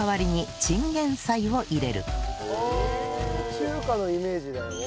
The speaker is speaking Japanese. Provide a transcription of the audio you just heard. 中華のイメージだよ？